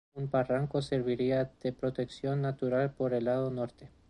Un barranco servía de protección natural por el lado norte.